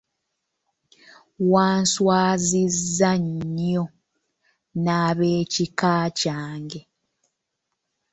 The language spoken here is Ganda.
Wanswazizza nnyo n'ab'ekika kyange.